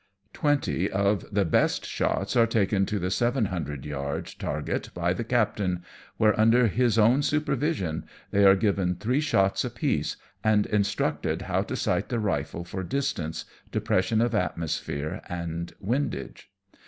Twenty of the best shots are taken to the seven hundred yard target by the captain, where, under his own supervision, they are given three shots apiece, and instructed how to sight the rifle for dis tance, depression of atmosphere, and windage.